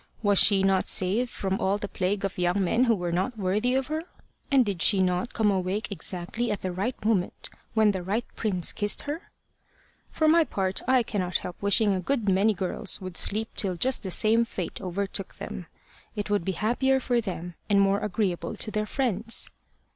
Was she not saved from all the plague of young men who were not worthy of her? And did she not come awake exactly at the right moment when the right prince kissed her? For my part, I cannot help wishing a good many girls would sleep till just the same fate overtook them. It would be happier for them, and more agreeable to their friends.